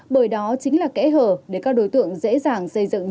bởi đó chính là kẽ hở để các đối tượng dễ dàng xây dựng